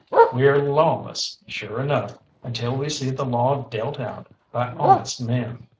We're lawless, sure enough, until we see the law dealt out by honest men.